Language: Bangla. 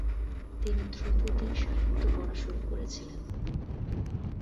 তিনি ধ্রুপদী সাহিত্য পড়া শুরু করেছিলেন।